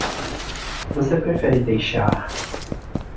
Você prefere deixar?